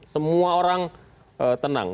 semua orang tenang